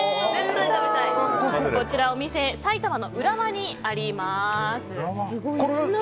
まずお店は埼玉の浦和にあります。